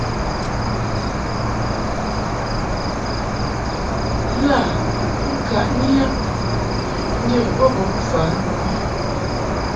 Lâ ŋkaʼni yab njə bo bə mfan nu a.